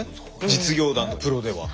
実業団とプロでは。